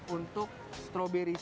untuk strawberry syrup